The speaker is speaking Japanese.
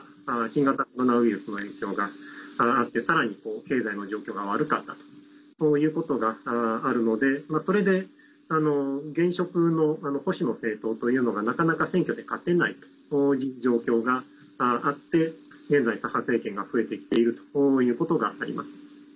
新型コロナウイルスの影響があってさらに経済の状況が悪かったということがあるのでそれで、現職の保守の政党というのがなかなか選挙で勝てないという状況があって現在、左派政権が増えてきているということがあります。